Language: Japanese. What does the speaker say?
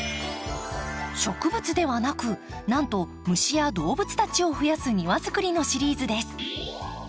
植物ではなくなんと虫や動物たちをふやす庭づくりのシリーズです。